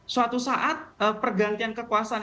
suatu saat pergantian kekuasaan